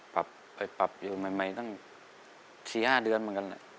ปรับไปปรับอยู่ใหม่ตั้ง๔๕เดือนเหมือนกันแหละ